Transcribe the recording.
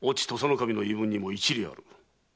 守の言いぶんにも一理ある。